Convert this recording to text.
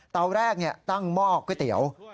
เตาแรกเนี่ยตั้งหม้อก๋วยเตี๋ยว